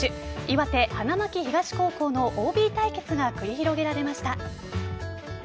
岩手・花巻東高校のＯＢ対決が繰り広げられました。